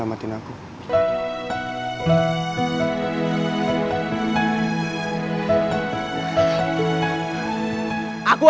kamu mencintai aku